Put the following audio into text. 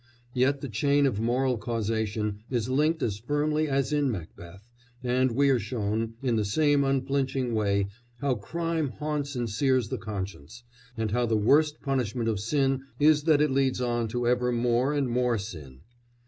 Yet the chain of moral causation is linked as firmly as in Macbeth, and we are shown, in the same unflinching way, how crime haunts and sears the conscience, and how the worst punishment of sin is that it leads on to ever more and more sin.